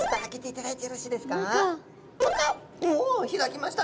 おお開きましたね。